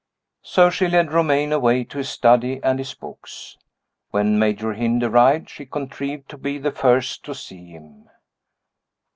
So she led Romayne away to his study and his books. When Major Hynd arrived, she contrived to be the first to see him.